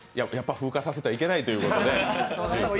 風化させたらいけないということで。